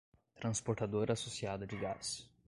Transportadora Associada de Gás